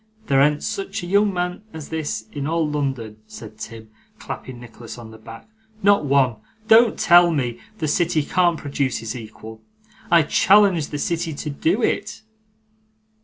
There an't such a young man as this in all London,' said Tim, clapping Nicholas on the back; 'not one. Don't tell me! The city can't produce his equal. I challenge the city to do it!